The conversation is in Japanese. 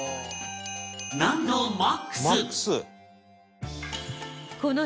難度マックス